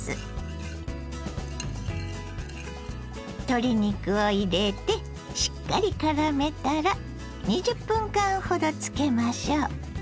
鶏肉を入れてしっかりからめたら２０分間ほどつけましょう。